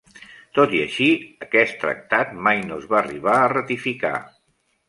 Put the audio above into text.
Tot i així, aquest tractat mai no es va arribar a ratificar.